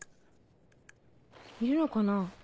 いるのかなぁ。